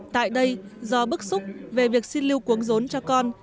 tại đây do bức xúc về việc xin lưu cuốn rốn cho con